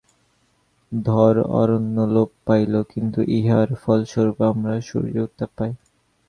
ধর, অরণ্য লোপ পাইল, কিন্তু ইহার ফলস্বরূপ আমরা সূর্যের উত্তাপ পাই।